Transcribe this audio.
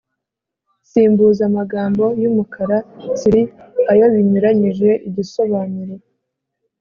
simbuza amagambo yumukara tsiri ayo binyuranyije igisobanuro.